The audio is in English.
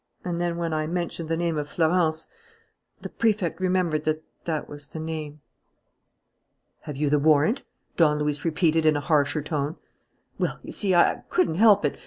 And then when I mentioned the name of Florence, the Prefect remembered that that was the name." "Have you the warrant?" Don Luis repeated, in a harsher tone. "Well, you see, I couldn't help it.... M.